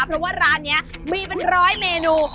เพราะว่าร้านนี้มีเป็นร้อยเมนู